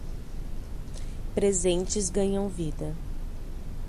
Presentes ganham vida.